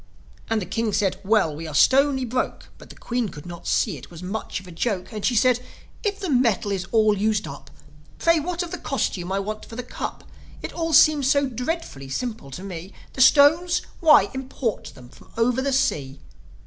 And the King said, "Well, we are stony broke." But the Queen could not see it was much of a joke. And she said, "If the metal is all used up, Pray what of the costume I want for the Cup? It all seems so dreadfully simple to me. The stones? Why, import them from over the sea."